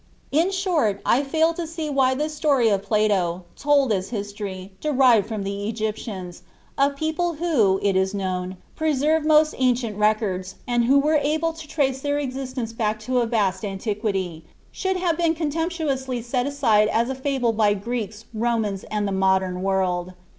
In short, I fail to see why this story of Plato, told as history, derived from the Egyptians, a people who, it is known, preserved most ancient records, and who were able to trace their existence back to a vast antiquity, should have been contemptuously set aside as a fable by Greeks, Romans, and the modern world.